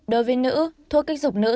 đối với nữ thuốc kích dục nữ